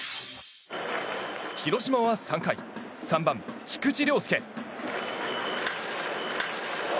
広島は３回３番、菊池涼介。